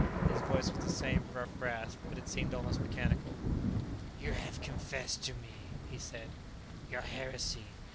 His voice was the same rough rasp, but it seemed almost mechanical. "You have confessed to me," he said, "your heresy.